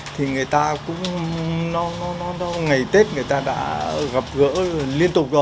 thì người ta cũng nó nó nó ngày tết người ta đã gặp gỡ liên tục rồi